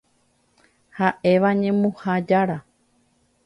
Ha'éva ñemuha jára.